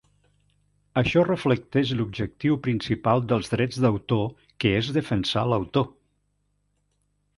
Això reflecteix l'objectiu principal dels drets d'autor que és defensar l'autor.